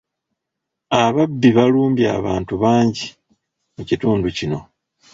Ababbi balumbye abantu bangi mu kitundu kino.